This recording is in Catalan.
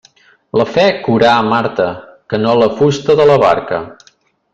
La fe curà Marta, que no la fusta de la barca.